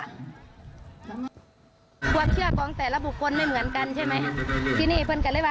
ทำไมหมดเรื่องกันไหมค่ะ